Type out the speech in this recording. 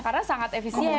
karena sangat efisien